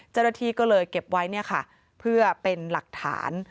เจ้าหน้าที่ก็เลยเก็บไว้เพื่อเป็นหลักฐาน